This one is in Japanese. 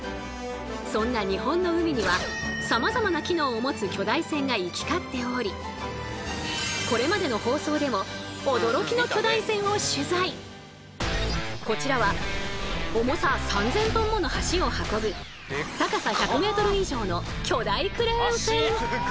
そんな日本の海にはさまざまな機能を持つ巨大船が行き交っておりこちらは重さ３，０００ｔもの橋を運ぶ高さ１００ｍ以上の巨大クレーン船。